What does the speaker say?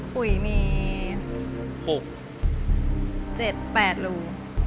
ขุยมีกี่รู